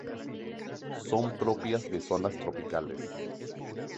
Son propias de zonas tropicales.